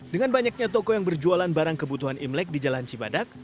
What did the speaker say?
dengan banyaknya toko yang berjualan barang kebutuhan imlek di jalan cibadak